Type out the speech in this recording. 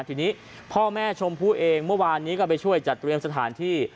ทีนี้พ่อแม่ชมพู่เองเมื่อวานนี้ก็ไปช่วยจัดเตรียมสถานที่